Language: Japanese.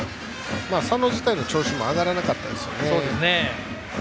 佐野自体の調子も上がらなかったですよね。